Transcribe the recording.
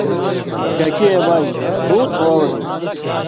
ککی اُے بانیۡ ”ہُو تُھو او مٹُو!